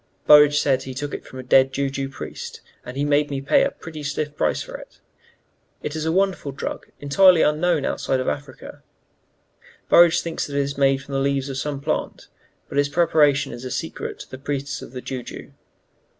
Burridge says he took it from a dead Jou Jou priest, and he made me pay a pretty stiff price for it. It is a wonderful drug, entirely unknown outside of Africa. Burridge thinks it is made from the leaves of some plant; but its preparation is a secret of the priests of Jou Jou.